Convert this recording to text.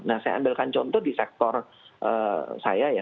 nah saya ambilkan contoh di sektor saya ya